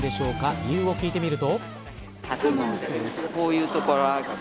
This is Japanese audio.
理由を聞いてみると。